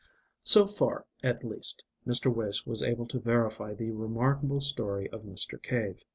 So far, at least, Mr. Wace was able to verify the remarkable story of Mr. Cave.